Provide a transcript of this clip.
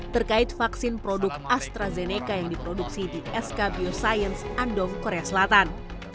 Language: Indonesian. terkait vaksin produk astrazeneca yang diproduksi di sk bioscience andong korea selatan